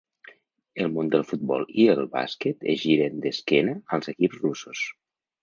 El món del futbol i el bàsquet es giren d’esquena als equips russos.